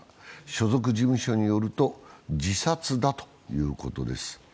所属事務所によると、自殺だということです。